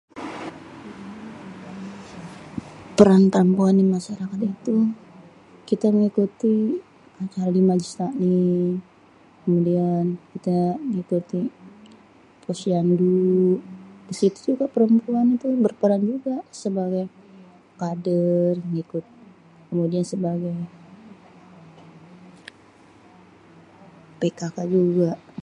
Peran perempuan di masyarakat itu kita mengikuti acara di majélis taklim. Kemudian kita ngikutin posyandu. Di situ juga perempuan itu berperan juga sebagai kadér ngikut, kemudian sebagai PKK juga.